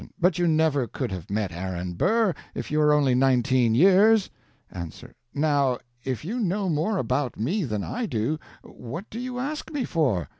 But you never could have met Aaron Burr, if you are only nineteen years! A. Now, if you know more about me than I do, what do you ask me for?